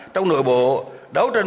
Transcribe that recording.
trong nội bộ đấu tranh